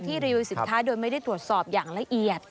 รีวิวสินค้าโดยไม่ได้ตรวจสอบอย่างละเอียด